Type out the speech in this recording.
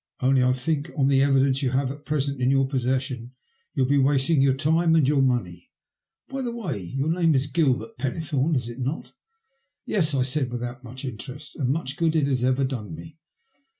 ''Only, I think on the evidence you have at present in your poBsesBion you'll be wasting your time and your money. By the way, your name is Gilbert Penne thome, is it not ?"" Yes/' I said, without much interest, " and much good it has ever done me."